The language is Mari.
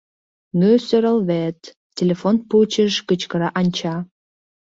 — Ну сӧрал вет! — телефон пучыш кычкыра Анча.